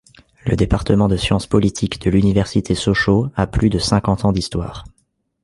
Le département de science politique de l’université Soochow a plus de cinquante ans d’histoire.